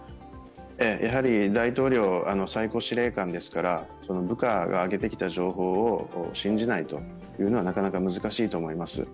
やはり大統領、最高司令官ですから部下が上げてきた情報を信じないというのは、なかなか難しいと思います。